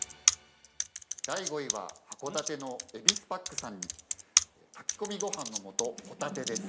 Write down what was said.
◆第５位は、函館の「エビスパック」さん「炊込みごはんの素ほたて」です。